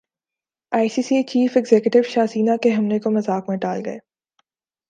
ائی C C chief executive Shivsena کے حملے کو مذاق میں ٹال گئے